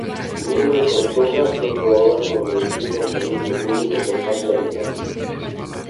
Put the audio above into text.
Niue cortou gastos do goberno reducindo o servizo público por case a metade.